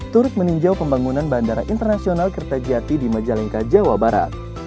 turut meninjau pembangunan bandara internasional kertajati di majalengka jawa barat